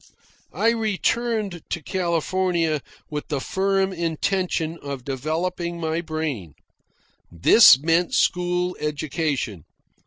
I returned to California with the firm intention of developing my brain. This meant school education.